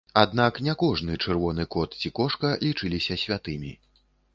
Аднак не кожны чырвоны кот ці кошка лічыліся святымі.